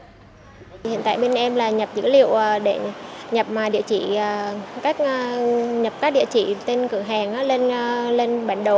hiện tại bên em là nhập dữ liệu để nhập các địa chỉ tên cửa hàng lên bản đồ